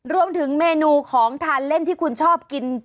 รวมถึงเมนูของทานเล่นที่คุณชอบกิน